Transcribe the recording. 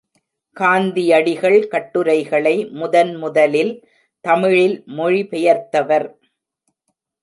காந்தியடிகள் கட்டுரைகளை முதன் முதலில் தமிழில் மொழிபெயர்த்தவர்.